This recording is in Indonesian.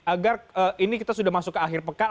agar ini kita sudah masuk ke akhir pekan